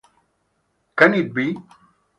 Can it be?